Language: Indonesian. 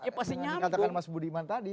dengan yang dikatakan mas budiman tadi